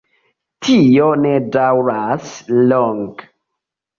Tio ne daŭras longe.